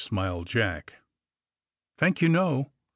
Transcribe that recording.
smiled Jack. "Thank you, no.